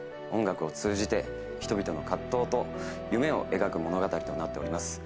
音楽を通じて人々の葛藤と夢を描く物語となっております。